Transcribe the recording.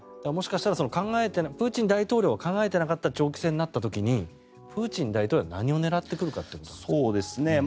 もしかしたらプーチン大統領は考えていなかった長期戦になった時にプーチン大統領は何を狙ってくるかということなんですが。